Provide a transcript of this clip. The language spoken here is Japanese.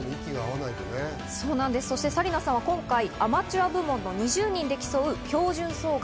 紗理奈さんは今回、アマチュア部門の２０人で競う標準障害